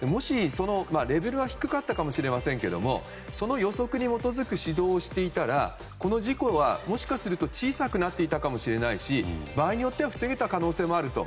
レベルは低かったかもしれませんけどその予測に基づく指導をしていたらこの事故は、もしかすると小さくなっていたかもしれないし場合によっては防げた可能性もあると。